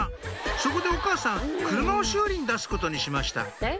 そこでお母さん車を修理に出すことにしました